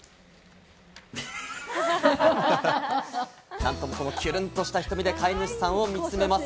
何とも、このきゅるんとした瞳で飼い主さんを見つめます。